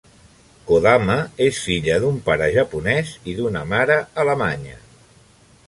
Kodama és filla d'un pare japonès i d'una mare alemanya.